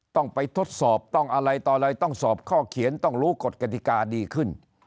ต้องไปทดสอบต้องอะไรต่ออะไรต้องสอบข้อเขียนต้องรู้กฎกฎิกาดีขึ้น